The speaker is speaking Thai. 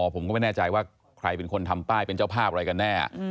ผมก็ไม่แน่ใจว่าใครเป็นคนทำป้ายเป็นเจ้าภาพอะไรกันแน่